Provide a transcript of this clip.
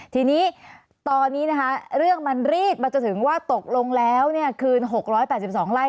ทีนี้ตอนนี้นะคะเรื่องมันรีดมาจนถึงว่าตกลงแล้วคืน๖๘๒ไร่